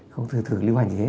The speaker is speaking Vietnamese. không thử thử lưu hành gì hết